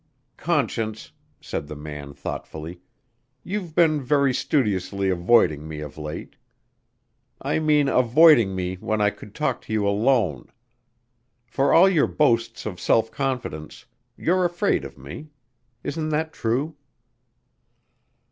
"Conscience," said the man thoughtfully, "you've been very studiously avoiding me of late. I mean avoiding me when I could talk to you alone. For all your boasts of self confidence, you're afraid of me. Isn't that true?"